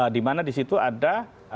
dimana di situ ada